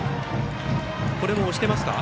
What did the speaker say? これも押してますか？